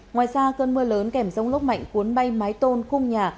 ngoài ra cơn mưa lớn kèm rông lốc mạnh cuốn bay mái tôn khung nhà